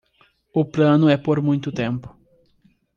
O plano é por muito tempo